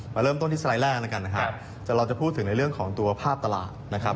มาเริ่มต้นที่สไลด์แรกแล้วกันนะครับแต่เราจะพูดถึงในเรื่องของตัวภาพตลาดนะครับ